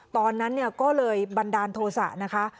ตอนนั้นก็เลยบันดาลโทษะนะคะ